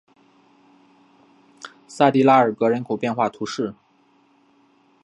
萨蒂拉尔格人口变化图示